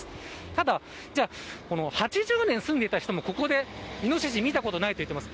ただ８０年住んでいた人もここでイノシシを見たことがないといいます。